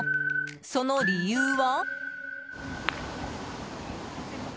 その理由は？